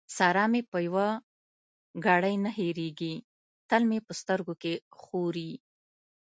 سارا مې په يوه ګړۍ نه هېرېږي؛ تل مې په سترګو کې ښوري.